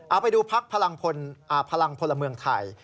เอาไปดูพักพลังพลเมืองไทย